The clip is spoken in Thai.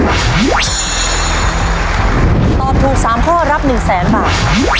ตอบถูก๓ข้อรับ๑แสนบาท